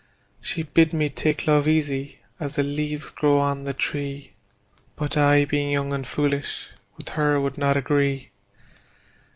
She bid me take love easy, as the leaves grow on the tree; But I, being young and foolish, with her would not agree.